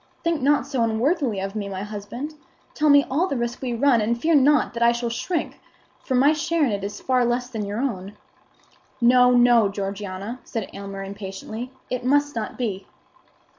Think not so unworthily of me, my husband. Tell me all the risk we run, and fear not that I shall shrink; for my share in it is far less than your own." "No, no, Georgiana!" said Aylmer, impatiently; "it must not be."